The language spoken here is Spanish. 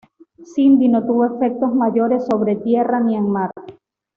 Cindy no tuvo efectos mayores sobre tierra ni en mar.